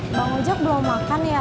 bang ojek belum makan ya